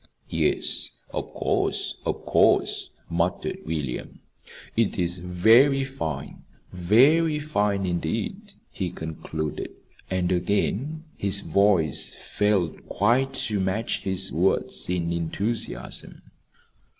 "Yes, of course, of course," muttered William. "It is very fine, very fine indeed," he concluded. And again his voice failed quite to match his words in enthusiasm.